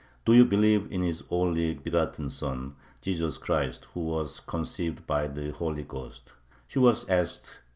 "Do you believe in His only begotten Son, Jesus Christ, who was conceived by the Holy Ghost?" she was asked.